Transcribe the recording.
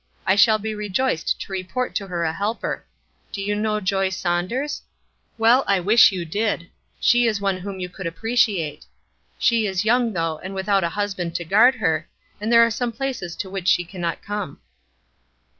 I shall be rejoiced to report to her a helper. Do you know Joy Saunders? Well, I wish you did; she is one whom you could appreciate. She is young, though, and without a husband to guard her, and there are some places to which she cannot come."